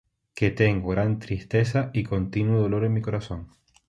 Que tengo gran tristeza y continuo dolor en mi corazón.